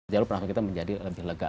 jalur penanganan kita menjadi lebih lega